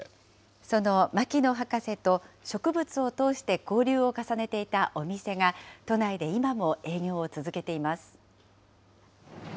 その牧野博士と植物を通して交流を重ねていたお店が、都内で今も営業を続けています。